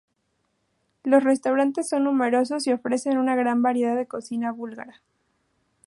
Los restaurantes son numerosos y ofrecen una gran variedad de cocina búlgara.